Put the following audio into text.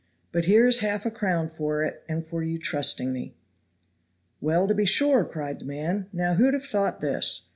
But here is half a crown for it and for your trusting me." "Well, to be sure," cried the man. "Now who'd have thought this?